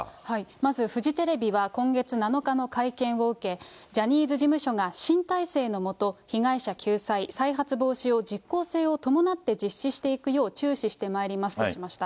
まずフジテレビは今月７日の会見を受け、ジャニーズ事務所が新体制の下、被害者救済・再発防止を実効性を伴って実施していくよう注視してまいりますとしました。